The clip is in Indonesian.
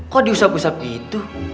kok diusap usap gitu